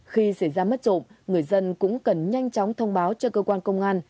khi xảy ra mất trộm người dân cũng cần nhanh chóng thông báo cho cơ quan công an